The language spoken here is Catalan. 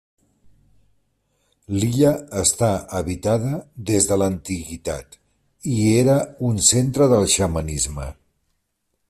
L'illa està habitada des de l'antiguitat i era un centre del xamanisme.